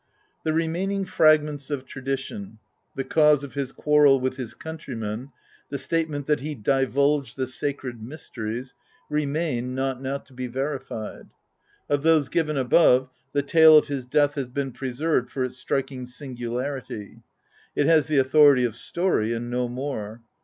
The remaining fragments of tradition — the cause of his quarrel with his countrymen — the statement that he divulged the Sacred Mysteries — remain, not now to be verified. Of those given above, the tale of his death has been preserved for its striking singularity : it has the authority of story, and no more.